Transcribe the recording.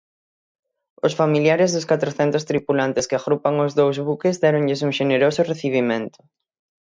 Os familiares dos catrocentos tripulantes que agrupan os dous buques déronlles un xeneroso recibimento.